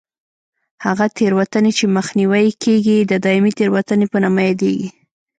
هغه تېروتنې چې مخنیوی یې کېږي د دایمي تېروتنې په نامه یادېږي.